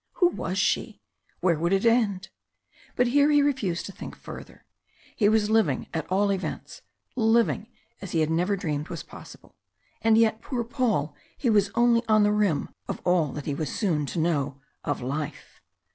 Who was she? Where would it end? But here he refused to think further. He was living at all events living as he had never dreamed was possible. And yet, poor Paul, he was only on the rim of all that he was soon to know of life.